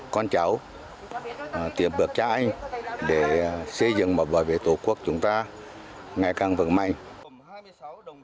con cháu tìm bậc trai để xây dựng một vòi về tổ quốc chúng ta ngày càng vững mạnh